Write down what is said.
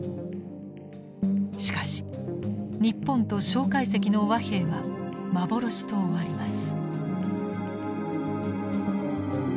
しかし日本と介石の和平は幻と終わります。